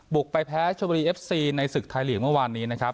บุกไปแพ้ชวารีเอฟซีในสึกไทยเหลียงเมื่อวานนี้